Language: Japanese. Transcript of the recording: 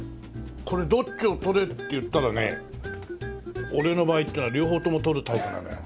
これどっちを取れっていったらね俺の場合ってのは両方とも取るタイプなのよ。